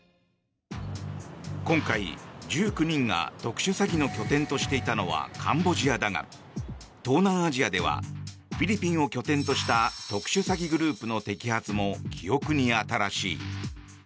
今回、１９人が特殊詐欺の拠点としていたのはカンボジアだが東南アジアではフィリピンを拠点とした特殊詐欺グループの摘発も記憶に新しい。